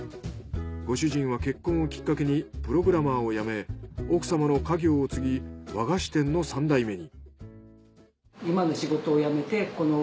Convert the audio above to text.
ご主人は結婚をきっかけにプログラマーを辞め奥様の家業を継ぎ和菓子店の三代目に。